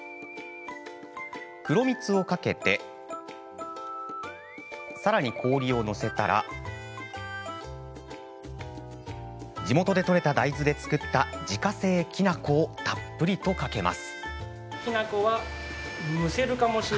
黒蜜をかけてさらに氷を載せたら地元で採れた大豆で作った自家製きなこをたっぷりとかけます。